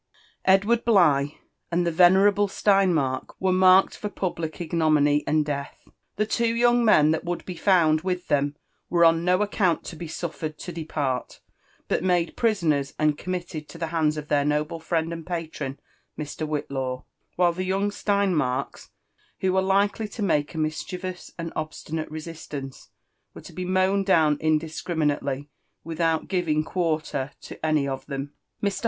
Edward Bligh and the vene rable Steinmark, were marked for public ignominy and death; the two pa un ANp ADVBNTUnvf op yeaQg womeo that would be found with tbem were on no aoeount f 9 besuflered lo depart, but nis|de prisoners, and qomniiKed (0 ihe hand^ of their noble friend and patron Mr. Whitla w ; while the young Steiq* marks, who were likely lo make a mischievous and obstinate resistance, were to be piown down indiscriminately, without giving quarter t0 tny of them. Mr.